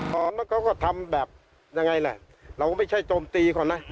ตอนนั้นเขาก็ทำแบบเราไม่ใช่โจมตีก่อนนะ